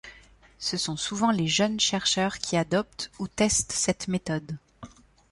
Ce sont souvent les jeunes chercheurs qui adoptent ou testent cette méthode.